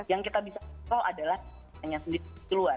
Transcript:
yang kita bisa kontrol adalah hanya sendiri di luar